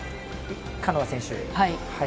カノア選手。